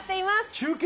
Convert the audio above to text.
中継？